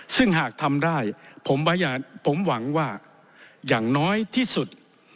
ซึ่งหากทำได้ผมหวังว่าอย่างน้อยที่สุด